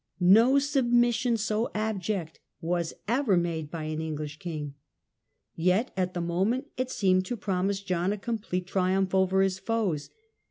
No submission so abject was ever made by an English i^ing. Yet at the moment it seemed to promise John a complete triumph over his foes.